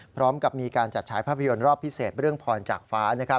พร้อมกับมีการจัดฉายภาพยนตร์รอบพิเศษเรื่องพรจากฟ้า